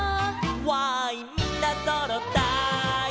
「わーいみんなそろったい」